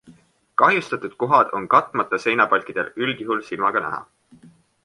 Kahjustatud kohad on katmata seinapalkidel üldjuhul silmaga näha.